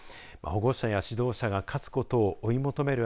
保護者や指導者が勝つことを追い求める